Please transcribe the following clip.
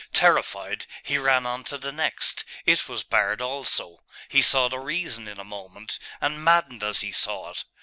Terrified, he ran on to the next; it was barred also. He saw the reason in a moment, and maddened as he saw it.